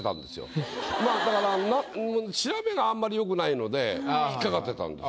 まあだから調べがあんまりよくないので引っかかってたんです。